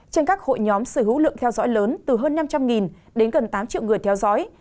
trên các hội nhóm sở hữu lượng theo dõi lớn từ hơn năm trăm linh đến gần tám triệu người theo dõi